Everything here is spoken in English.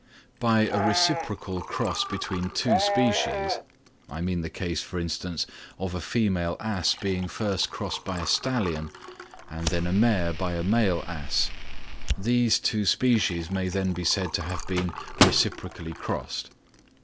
By a reciprocal cross between two species, I mean the case, for instance, of a female ass being first crossed by a stallion, and then a mare by a male ass: these two species may then be said to have been reciprocally crossed.